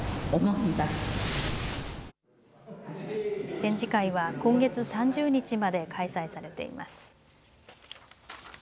展示会は今月３０日まで開催されています。